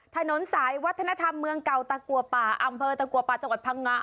ถนนสายวัฒนธรรมเมืองเก่าตะกัวป่าอำเภอตะกัวป่าจังหวัดพังงา